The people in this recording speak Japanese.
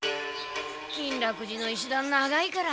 金楽寺の石だん長いから。